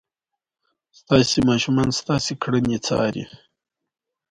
د حلال رزق برکت ابدي وي.